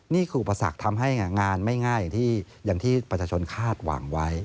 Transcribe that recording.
อุปสรรคทำให้งานไม่ง่ายอย่างที่ประชาชนคาดหวังไว้